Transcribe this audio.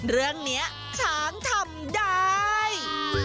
เรื่องนี้ช้างทำได้